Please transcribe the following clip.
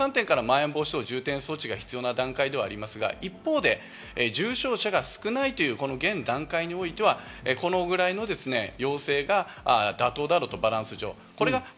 そういう観点からまん延防止等重点措置が必要な段階ではありますが、一方で重症者が少ないという現段階においては、このくらいの要請が妥当だろうと、バランス上。